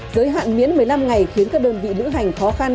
giới hạn miễn một mươi năm ngày khiến các đơn vị lữ hành khó khăn